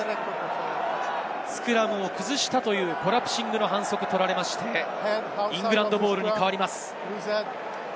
スクラムを崩したというコラプシングの反則を取られてイングランドボールに変わります。